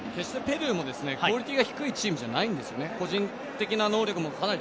決してペルーもクオリティーが低いチームじゃないんですよね。